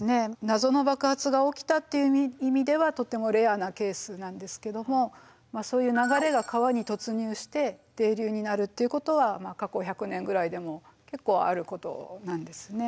謎の爆発が起きたっていう意味ではとってもレアなケースなんですけどもまあそういう流れが川に突入して泥流になるっていうことは過去１００年ぐらいでも結構あることなんですね。